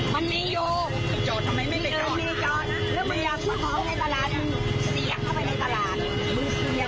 มันมีอยู่